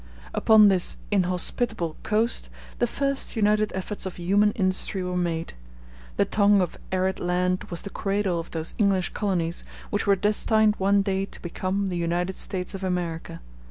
Upon this inhospitable coast the first united efforts of human industry were made. The tongue of arid land was the cradle of those English colonies which were destined one day to become the United States of America.